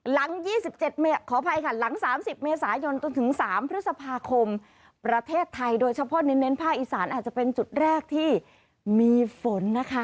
หลังสามสิบเมษายนต้นถึงสามพฤษภาคมประเทศไทยโดยเฉพาะเน้นภาคอีสานอาจจะเป็นจุดแรกที่มีฝนนะคะ